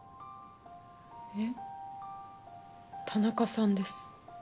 えっ田中さんです。